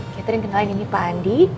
catherine kenalin ini pak andi